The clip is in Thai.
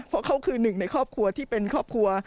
เพราะเขาคือหนึ่งในครอบครัวที่เป็นครอบครัว